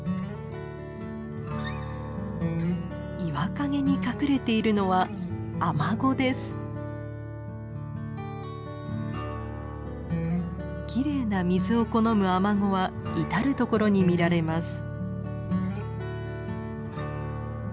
岩陰に隠れているのはきれいな水を好むアマゴは至る所に見られます。